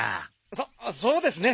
そそうですね。